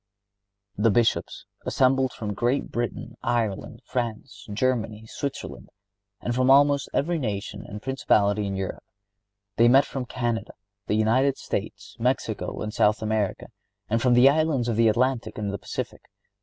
The Bishops assembled from Great Britain, Ireland, France, Germany, Switzerland and from almost every nation and principality in Europe. They met from Canada, the United States, Mexico and South America, and from the islands of the Atlantic and the Pacific.